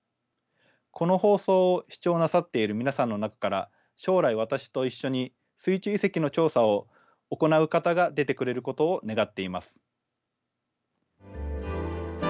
この放送を視聴なさっている皆さんの中から将来私と一緒に水中遺跡の調査を行う方が出てくれることを願っています。